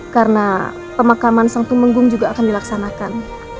karena pemakaman sang tumenggung juga akan dilaksanakan